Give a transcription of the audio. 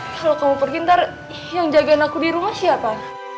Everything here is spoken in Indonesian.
kalau kamu pergi ntar yang jagain aku di rumah siapa